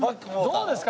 どうですか？